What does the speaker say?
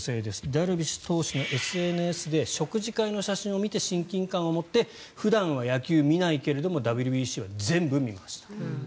ダルビッシュ投手のＳＮＳで食事会の写真を見て親近感を持って普段は野球を見ないけどＷＢＣは全部見ました。